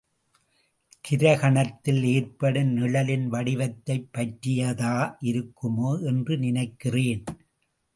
கிரகணத்தில் ஏற்படும் நிழலின் வடிவத்தைப் பற்றியதா இருக்குமோ என்று நினைக்கிறேன்.